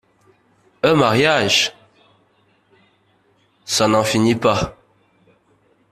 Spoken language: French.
Un mariage !… ça n’en finit pas…